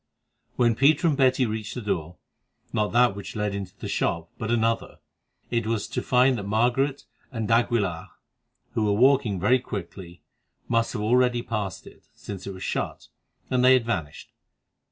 When Peter and Betty reached the door, not that which led into the shop, but another, it was to find that Margaret and d'Aguilar, who were walking very quickly, must have already passed it, since it was shut, and they had vanished.